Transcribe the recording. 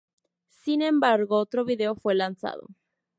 Sin embargo, otro video fue lanzado.